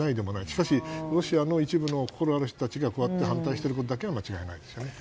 しかし、ロシアの一部の心ある人たちがこうやって反対していることだけは間違いないですね。